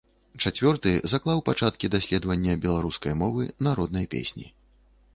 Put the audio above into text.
Чацвёрты заклаў пачаткі даследавання беларускай мовы, народнай песні.